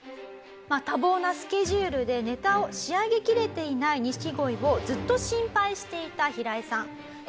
多忙なスケジュールでネタを仕上げきれていない錦鯉をずっと心配していたヒライさん。